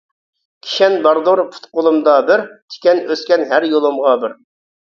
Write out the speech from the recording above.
كىشەن باردۇر پۇت-قولۇمدا بىر، تىكەن ئۆسكەن ھەر يولۇمغا بىر.